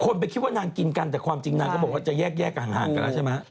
ไปคิดว่านางกินกันแต่ความจริงนางก็บอกว่าจะแยกห่างกันแล้วใช่ไหม